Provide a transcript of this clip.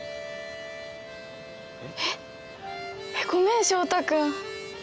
えっえっごめん翔太君。